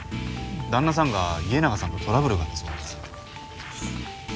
旦那さんが家長さんとトラブルがあったそうなんです。